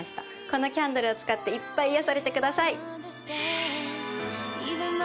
このキャンドルを使っていっぱい癒やされてください。